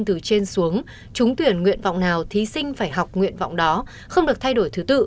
từ trên xuống trúng tuyển nguyện vọng nào thí sinh phải học nguyện vọng đó không được thay đổi thứ tự